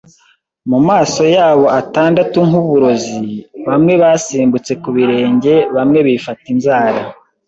mumaso yabo atandatu nkuburozi; bamwe basimbutse ku birenge, bamwe bifata inzara